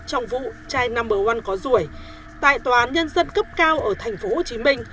trong vụ chai no một có ruồi tại tòa án nhân dân cấp cao ở tp hcm